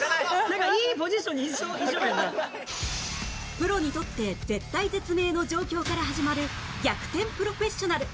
プロにとって絶体絶命の状況から始まる逆転プロフェッショナル